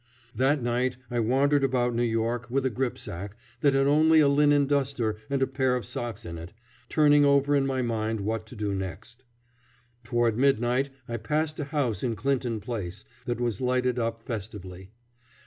That night I wandered about New York with a gripsack that had only a linen duster and a pair of socks in it, turning over in my mind what to do next. Toward midnight I passed a house in Clinton Place that was lighted up festively.